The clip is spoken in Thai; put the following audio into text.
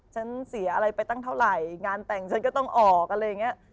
ฉันเสียอะไรไปตั้งเท่าไหร่งานแต่งฉันก็ต้องออกอะไรอย่างนี้